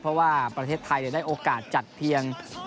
เพราะว่าประเทศไทยได้โอกาสจัดเพียง